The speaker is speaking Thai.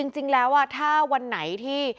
จริงแล้วถ้าวันไหนที่